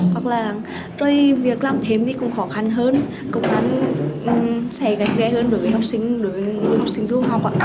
hoặc là trời việc làm thêm thì cũng khó khăn hơn cũng sẽ gây ghé hơn đối với học sinh giúp học